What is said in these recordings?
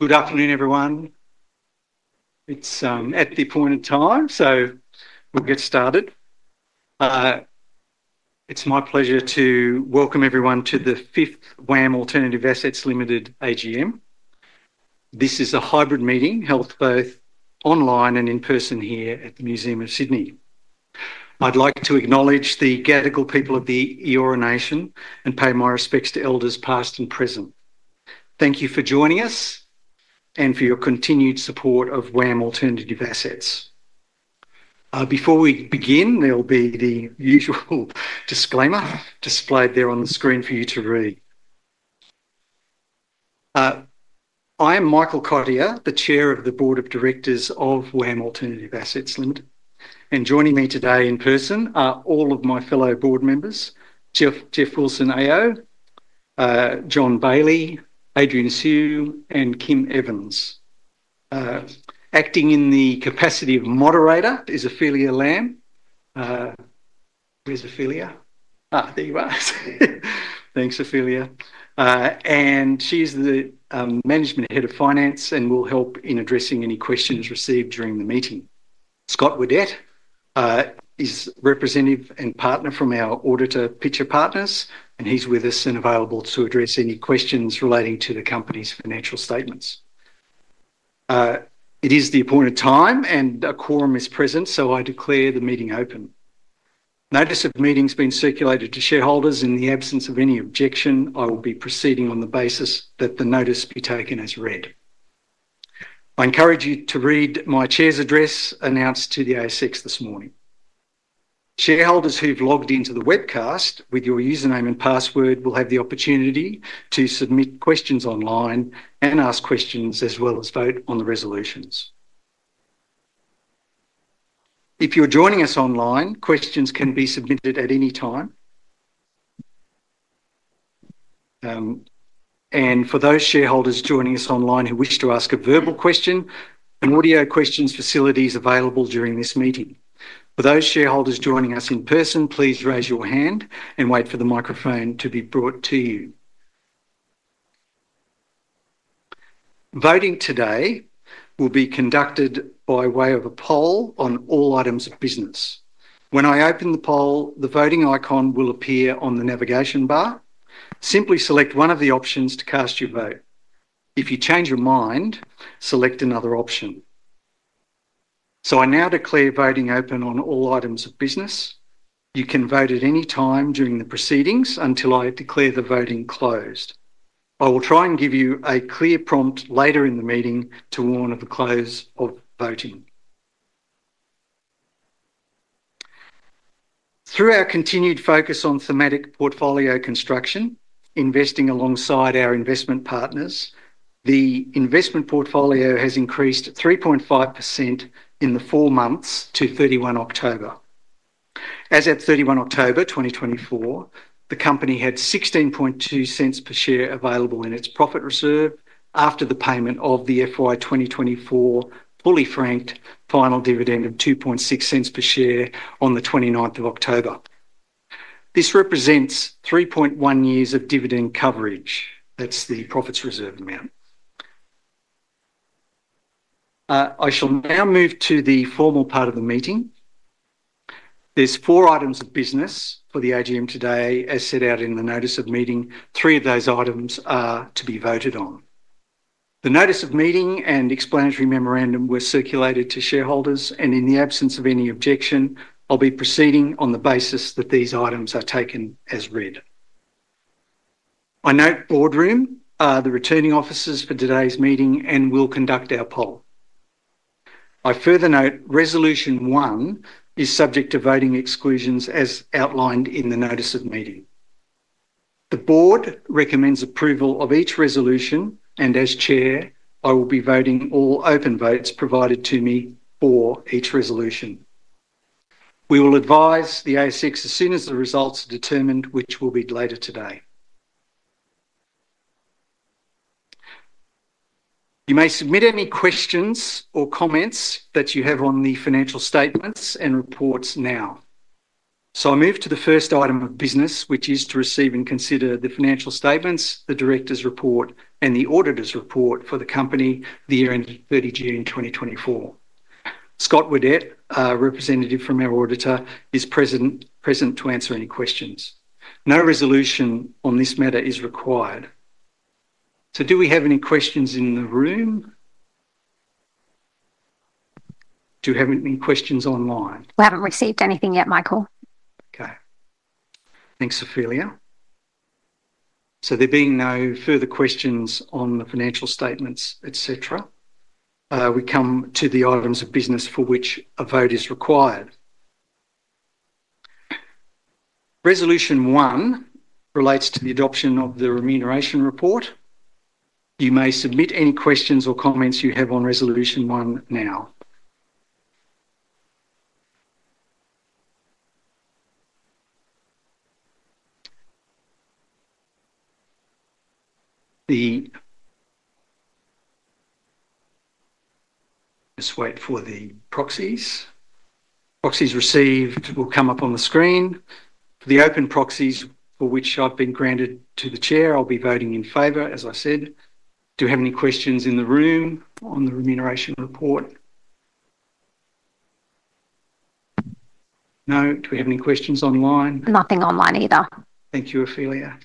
Good afternoon, everyone. It's at the point in time, so we'll get started. It's my pleasure to welcome everyone to the 5th WAM Alternative Assets Limited AGM. This is a hybrid meeting, held both online and in person here at the Museum of Sydney. I'd like to acknowledge the Gadigal people of the Eora Nation and pay my respects to Elders past and present. Thank you for joining us and for your continued support of WAM Alternative Assets. Before we begin, there'll be the usual disclaimer displayed there on the screen for you to read. I am Michael Cottier, the Chair of the Board of Directors of WAM Alternative Assets Limited, and joining me today in person are all of my fellow board members: Geoff Wilson AO; John Baillie; Adrian Siew; and Kym Evans. Acting in the capacity of moderator is Ophelia Lam. Where's Ophelia? There you are. Thanks, Ophelia. She is the Head of Finance and will help in addressing any questions received during the meeting. Scott Whiddett is a representative and partner from our auditor, Pitcher Partners, and he's with us and available to address any questions relating to the company's financial statements. It is the appointed time, and a quorum is present, so I declare the meeting open. Notice of meeting has been circulated to shareholders. In the absence of any objection, I will be proceeding on the basis that the notice be taken as read. I encourage you to read my Chair's address announced to the ASX this morning. Shareholders who've logged into the webcast with your username and password will have the opportunity to submit questions online and ask questions, as well as vote on the resolutions. If you're joining us online, questions can be submitted at any time. For those shareholders joining us online who wish to ask a verbal question, an audio questions facility is available during this meeting. For those shareholders joining us in person, please raise your hand and wait for the microphone to be brought to you. Voting today will be conducted by way of a poll on all items of business. When I open the poll, the voting icon will appear on the navigation bar. Simply select one of the options to cast your vote. If you change your mind, select another option. I now declare voting open on all items of business. You can vote at any time during the proceedings until I declare the voting closed. I will try and give you a clear prompt later in the meeting to warn of the close of voting. Through our continued focus on thematic portfolio construction, investing alongside our investment partners, the investment portfolio has increased 3.5% in the four months to 31 October. As of 31 October 2024, the company had 0.162 per share available in its profit reserve after the payment of the FY 2024 fully franked final dividend of 0.026 per share on the 29th of October. This represents 3.1 years of dividend coverage. That's the profits reserve amount. I shall now move to the formal part of the meeting. There's four items of business for the AGM today, as set out in the notice of meeting. Three of those items are to be voted on. The notice of meeting and explanatory memorandum were circulated to shareholders, and in the absence of any objection, I'll be proceeding on the basis that these items are taken as read. I note Boardroom are the returning officers for today's meeting and will conduct our poll. I further note Resolution 1 is subject to voting exclusions as outlined in the notice of meeting. The board recommends approval of each resolution, and as Chair, I will be voting all open votes provided to me for each resolution. We will advise the ASX as soon as the results are determined, which will be later today. You may submit any questions or comments that you have on the financial statements and reports now. So I move to the first item of business, which is to receive and consider the financial statements, the Directors' Report, and the auditor's report for the company the year ended 30 June 2024. Scott Whiddett, representative from our auditor, is present to answer any questions. No resolution on this matter is required. So do we have any questions in the room? Do we have any questions online? We haven't received anything yet, Michael. Okay. Thanks, Ophelia. So there being no further questions on the financial statements, etc., we come to the items of business for which a vote is required. Resolution 1 relates to the adoption of the remuneration report. You may submit any questions or comments you have on Resolution 1 now. Let's wait for the proxies. Proxies received will come up on the screen. For the open proxies for which I've been granted to the Chair, I'll be voting in favor, as I said. Do we have any questions in the room on the remuneration report? No? Do we have any questions online? Nothing online either. Thank you, Ophelia.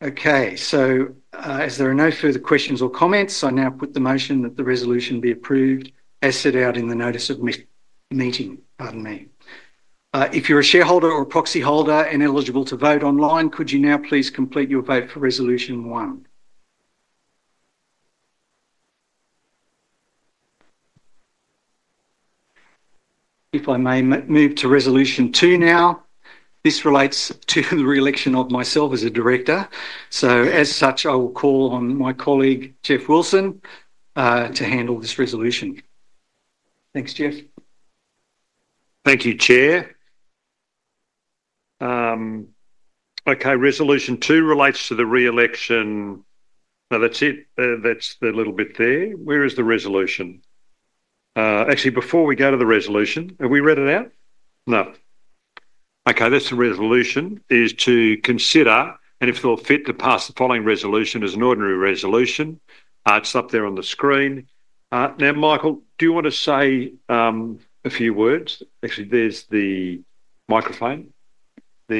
Okay, so as there are no further questions or comments, I now put the motion that the resolution be approved as set out in the notice of meeting. Pardon me. If you're a shareholder or proxy holder and eligible to vote online, could you now please complete your vote for Resolution 1? If I may move to Resolution 2 now. This relates to the re-election of myself as a director. So as such, I will call on my colleague, Geoff Wilson, to handle this resolution. Thanks, Geoff. Thank you, Chair. Okay, Resolution 2 relates to the re-election. No, that's it. That's the little bit there. Where is the resolution? Actually, before we go to the resolution, have we read it out? No. Okay, this resolution is to consider, and if thought fit, to pass the following resolution as an ordinary resolution. It's up there on the screen. Now, Michael, do you want to say a few words? Actually, there's the microphone. John, do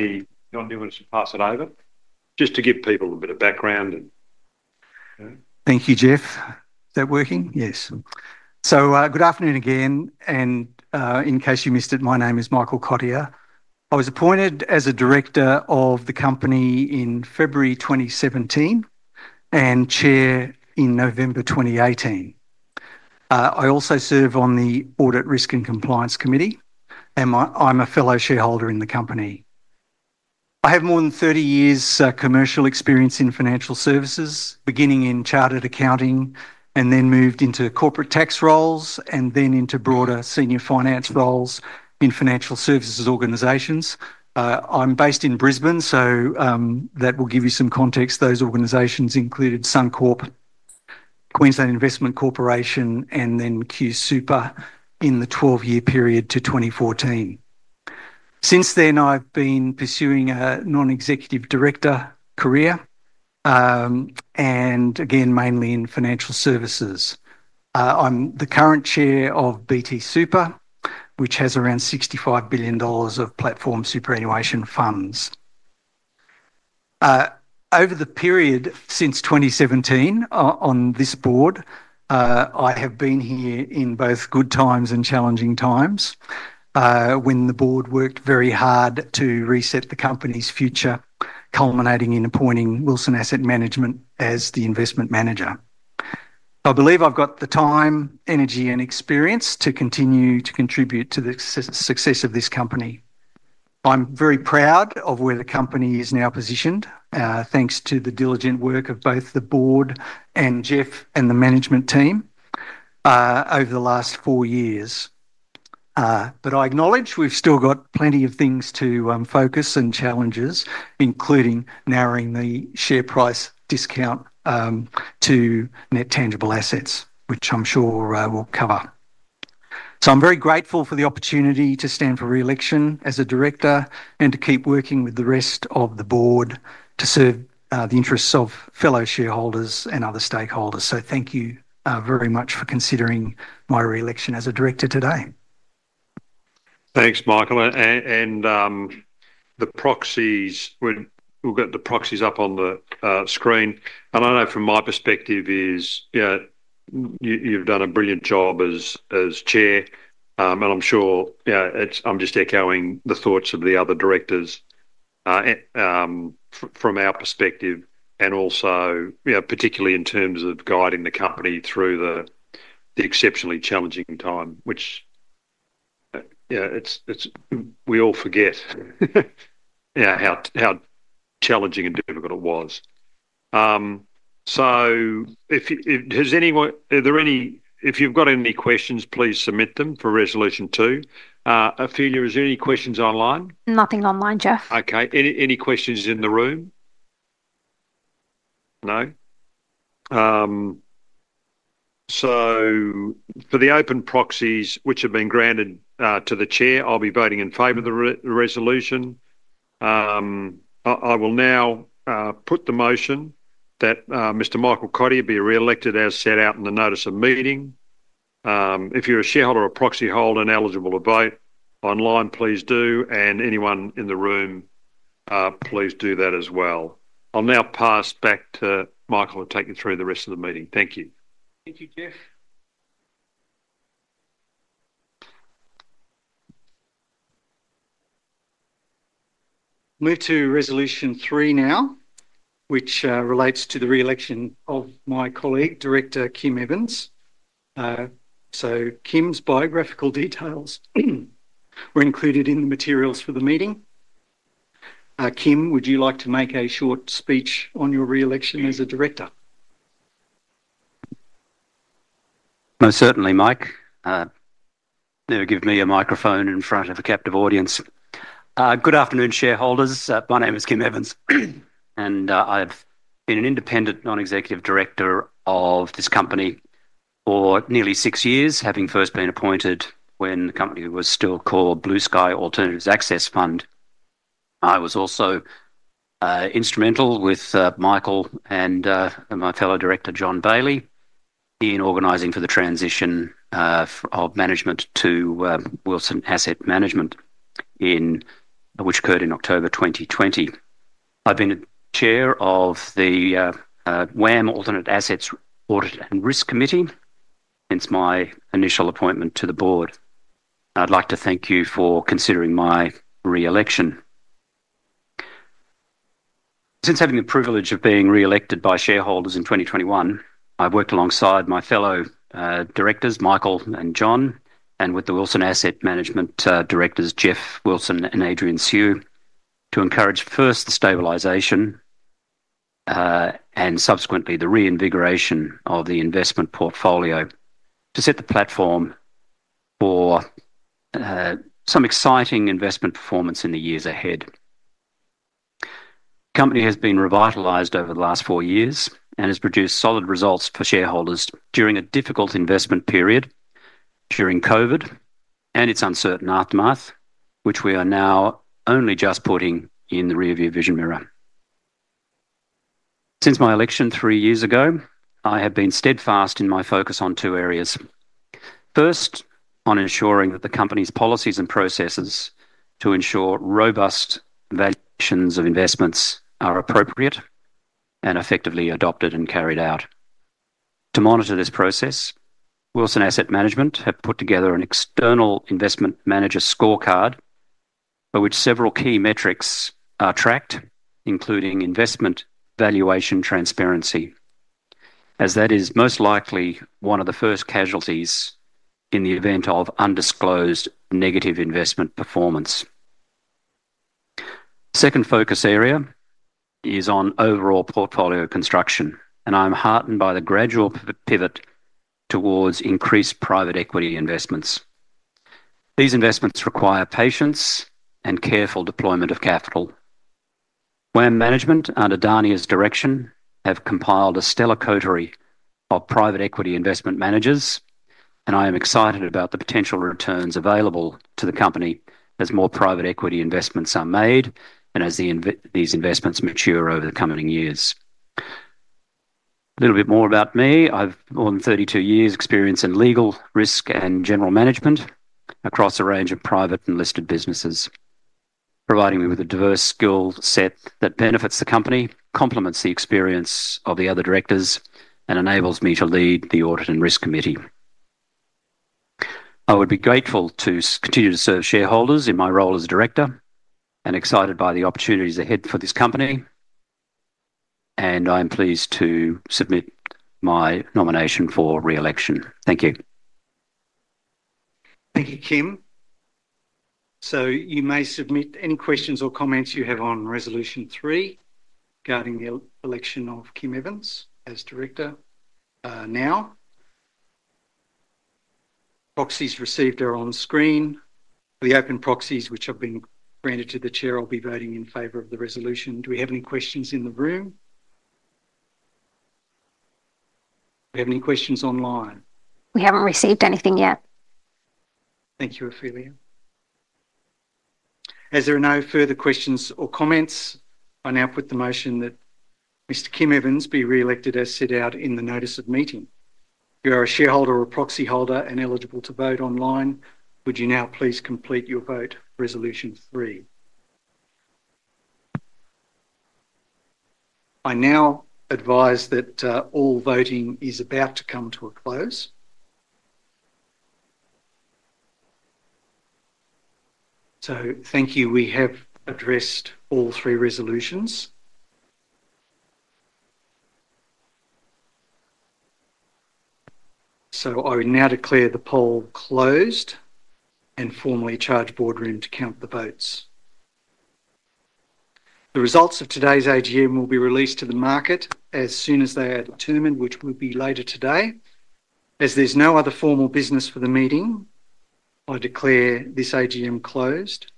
you want to pass it over? Just to give people a bit of background. Thank you, Geoff. Is that working? Yes. Good afternoon again. In case you missed it, my name is Michael Cottier. I was appointed as a director of the company in February 2017 and Chair in November 2018. I also serve on the Audit Risk and Compliance Committee, and I'm a fellow shareholder in the company. I have more than 30 years of commercial experience in financial services, beginning in chartered accounting and then moved into corporate tax roles and then into broader senior finance roles in financial services organizations. I'm based in Brisbane, so that will give you some context. Those organizations included Suncorp, Queensland Investment Corporation, and then QSuper in the 12-year period to 2014. Since then, I've been pursuing a non-executive director career and again, mainly in financial services. I'm the current Chair of BT Super, which has around 65 billion dollars of platform superannuation funds. Over the period since 2017 on this board, I have been here in both good times and challenging times when the board worked very hard to reset the company's future, culminating in appointing Wilson Asset Management as the investment manager. I believe I've got the time, energy, and experience to continue to contribute to the success of this company. I'm very proud of where the company is now positioned, thanks to the diligent work of both the board and Geoff and the management team over the last four years. But I acknowledge we've still got plenty of things to focus on and challenges, including narrowing the share price discount to net tangible assets, which I'm sure we'll cover. I'm very grateful for the opportunity to stand for re-election as a director and to keep working with the rest of the board to serve the interests of fellow shareholders and other stakeholders. Thank you very much for considering my re-election as a director today. Thanks, Michael. And the proxies will get the proxies up on the screen. And I know from my perspective is you've done a brilliant job as Chair, and I'm sure I'm just echoing the thoughts of the other directors from our perspective, and also particularly in terms of guiding the company through the exceptionally challenging time, which we all forget how challenging and difficult it was. So is there any—if you've got any questions, please submit them for Resolution 2. Ophelia, is there any questions online? Nothing online, Geoff. Okay. Any questions in the room? No? So for the open proxies, which have been granted to the Chair, I'll be voting in favor of the resolution. I will now put the motion that Mr. Michael Cottier be re-elected as set out in the notice of meeting. If you're a shareholder or proxy holder and eligible to vote online, please do. And anyone in the room, please do that as well. I'll now pass back to Michael to take you through the rest of the meeting. Thank you. Thank you, Geoff. Move to Resolution 3 now, which relates to the re-election of my colleague, Director Kym Evans. So Kym's biographical details were included in the materials for the meeting. Kym, would you like to make a short speech on your re-election as a director? Most certainly, Mike. Never give me a microphone in front of a captive audience. Good afternoon, shareholders. My name is Kym Evans, and I've been an independent non-executive director of this company for nearly six years, having first been appointed when the company was still called Blue Sky Alternatives Access Fund. I was also instrumental with Michael and my fellow director, John, in organising for the transition of management to Wilson Asset Management, which occurred in October 2020. I've been chair of the WAM Alternative Assets Audit and Risk Committee since my initial appointment to the board. I'd like to thank you for considering my re-election. Since having the privilege of being re-elected by shareholders in 2021, I've worked alongside my fellow directors, Michael and John, and with the Wilson Asset Management directors, Geoff Wilson and Adrian Siew, to encourage first the stabilization and subsequently the reinvigoration of the investment portfolio to set the platform for some exciting investment performance in the years ahead. The company has been revitalized over the last four years and has produced solid results for shareholders during a difficult investment period during COVID and its uncertain aftermath, which we are now only just putting in the rearview mirror. Since my election three years ago, I have been steadfast in my focus on two areas. First, on ensuring that the company's policies and processes to ensure robust valuations of investments are appropriate and effectively adopted and carried out. To monitor this process, Wilson Asset Management have put together an external investment manager scorecard by which several key metrics are tracked, including investment valuation transparency, as that is most likely one of the first casualties in the event of undisclosed negative investment performance. The second focus area is on overall portfolio construction, and I'm heartened by the gradual pivot towards increased private equity investments. These investments require patience and careful deployment of capital. Wilson Asset Management, under Dania's direction, have compiled a stellar coterie of private equity investment managers, and I am excited about the potential returns available to the company as more private equity investments are made and as these investments mature over the coming years. A little bit more about me. I've more than 32 years of experience in legal, risk, and general management across a range of private and listed businesses, providing me with a diverse skill set that benefits the company, complements the experience of the other directors, and enables me to lead the Audit and Risk Committee. I would be grateful to continue to serve shareholders in my role as a director and excited by the opportunities ahead for this company, and I am pleased to submit my nomination for re-election. Thank you. Thank you, Kym. So you may submit any questions or comments you have on Resolution 3 regarding the election of Kym Evans as director now. Proxies received are on screen. For the open proxies, which have been granted to the Chair, I'll be voting in favor of the resolution. Do we have any questions in the room? Do we have any questions online? We haven't received anything yet. Thank you, Ophelia. As there are no further questions or comments, I now put the motion that Mr. Kym Evans be re-elected as set out in the notice of meeting. If you are a shareholder or proxy holder and eligible to vote online, would you now please complete your vote for Resolution 3? I now advise that all voting is about to come to a close, so thank you. We have addressed all three resolutions, so I would now declare the poll closed and formally charge the Boardroom to count the votes. The results of today's AGM will be released to the market as soon as they are determined, which will be later today. As there's no other formal business for the meeting, I declare this AGM closed.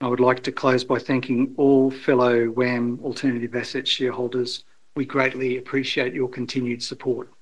I would like to close by thanking all fellow WAM Alternative Assets shareholders. We greatly appreciate your continued support.